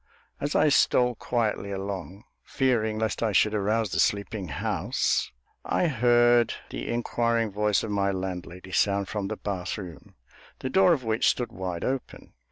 As I stole quietly along, fearing lest I should arouse the sleeping house, I heard the inquiring voice of my landlady sound from the bath room, the door of which stood wide open.